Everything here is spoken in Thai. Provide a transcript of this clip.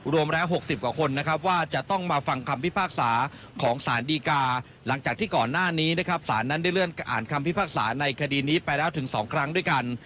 รวมแล้ว๖๐กว่าคนนะครับว่าจะต้องมาฟังคำพิพากษาของสารดีกาหลังจากที่ก่อนหน้านี้นะครับสารนั้นได้เลื่อนอ่านคำพิพากษาในคดีนี้ไปแล้วถึง๒ครั้งด้วยกัน